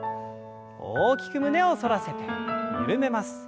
大きく胸を反らせて緩めます。